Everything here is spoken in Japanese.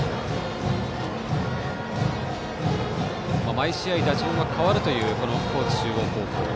毎試合、打順が変わるという高知中央高校。